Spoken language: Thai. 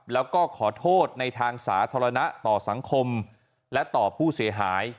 แล้วก็ขอโทษในทางสาธารณะต่อสังคมและต่อผู้เสียหาย